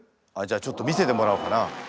ちょっと見せてもらおうかな。